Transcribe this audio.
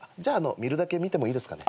見るだけ見てもいいですかね？